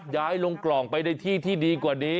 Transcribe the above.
ย้ายลงกล่องไปในที่ที่ดีกว่านี้